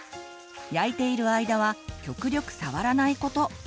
焼いている間は極力触らないこと。